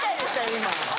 今。